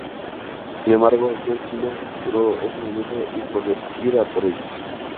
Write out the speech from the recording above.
Sin embargo, John Cena juró desde ese momento ir a por ellos.